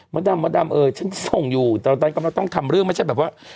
มาดามเออฉันส่งอยู่ตอนนั้นก็ต้องทำเรื่องไม่ใช่แบบว่า